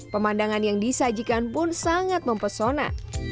pemandangan yang disajikan pun sangat mempesona